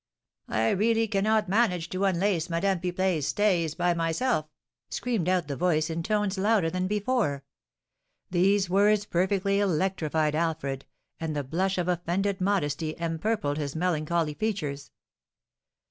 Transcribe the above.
"I really cannot manage to unlace Madame Pipelet's stays by myself!" screamed out the voice, in tones louder than before. These words perfectly electrified Alfred, and the blush of offended modesty empurpled his melancholy features.